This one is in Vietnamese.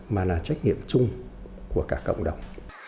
mà là trách nhiệm chung của cả cộng đồng